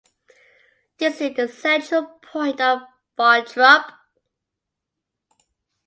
This is the central point of Barntrup.